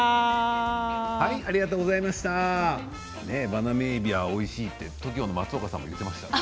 バナメイエビはおいしいってＴＯＫＩＯの松岡さんも言っていましたよ。